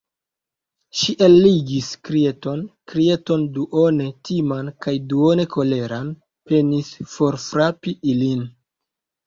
Ŝi eligis krieton, krieton duone timan kaj duone koleran, penis forfrapi ilin.